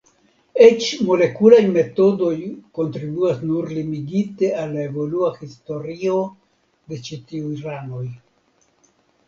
Eĉ molekulaj metodoj kontribuas nur limigite al la evolua historio de ĉi tiuj ranoj.